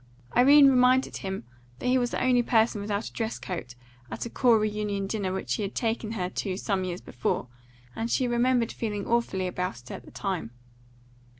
Irene reminded him that he was the only person without a dress coat at a corps reunion dinner which he had taken her to some years before, and she remembered feeling awfully about it at the time.